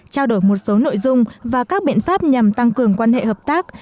trao đổi một số nội dung và các biện pháp nhằm tăng cường quan hệ hợp tác